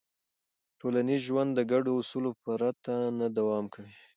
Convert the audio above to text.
ټولنیز ژوند د ګډو اصولو پرته نه دوام کوي.